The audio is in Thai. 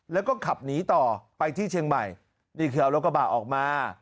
แล้วก็ขับหนีต่อไปที่เชียงใหม่นี่คือเอารถกระบะออกมา